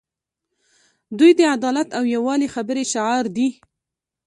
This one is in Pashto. دوی د عدالت او یووالي خبرې شعار دي.